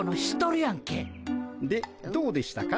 でどうでしたか？